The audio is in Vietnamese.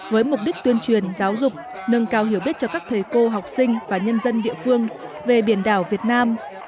với mục đích tuyên truyền giáo dục nâng cao hiểu biết cho các thầy cô học sinh và nhân dân địa phương về biển đảo việt nam